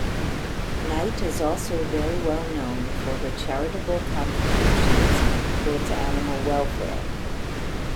Night is also very well known for her charitable contributions towards animal welfare.